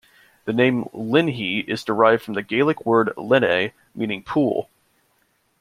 The name "Linnhe" is derived from the Gaelic word "linne", meaning "pool".